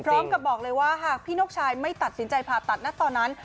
พร้อมกับบอกเลยว่าหากพี่นกชายไม่ตัดสินใจผ่าตัดนะตอนนั้น